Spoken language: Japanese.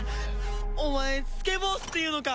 お前スケボーズっていうのか。